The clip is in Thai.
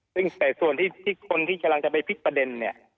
แต่ส่วนที่คนที่กำลังจะไปพลิกประเด็น